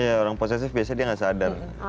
iya orang posesif biasanya dia gak sadar